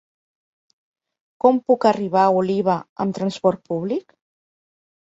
Com puc arribar a Oliva amb transport públic?